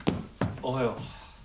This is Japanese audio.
おはよう。